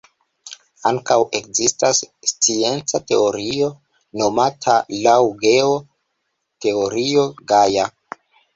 Ankaŭ ekzistas scienca teorio nomata laŭ Geo, Teorio Gaja.